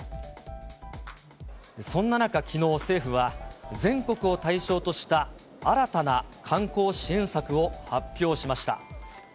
そんな中、きのう、政府は全国を対象とした新たな観光支援策を発表しました。